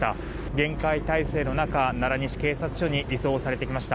厳戒態勢の中、奈良西警察署に移送されてきました。